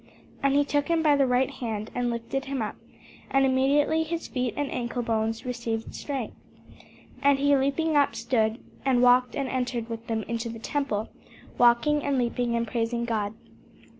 And he took him by the right hand, and lifted him up: and immediately his feet and ancle bones received strength. And he leaping up stood, and walked, and entered with them into the temple, walking, and leaping, and praising God.